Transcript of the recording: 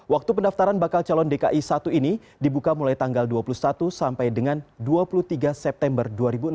waktu pendaftaran bakal calon dki satu ini dibuka mulai tanggal dua puluh satu sampai dengan dua puluh tiga september dua ribu enam belas